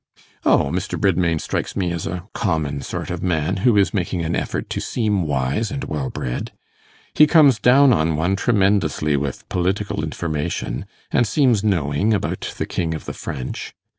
'O! Mr. Bridmain strikes me as a common sort of man, who is making an effort to seem wise and well bred. He comes down on one tremendously with political information, and seems knowing about the king of the French.